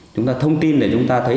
chúng ta thông tin để chúng ta thấy